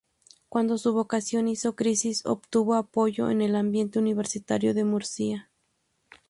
Cuando su vocación hizo crisis, obtuvo apoyo en el ambiente universitario de Murcia.